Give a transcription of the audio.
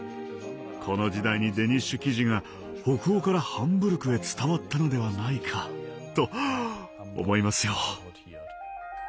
この時代にデニッシュ生地が北欧からハンブルクへ伝わったのではないかと思いますよ。